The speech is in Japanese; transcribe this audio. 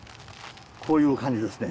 こういう感じですね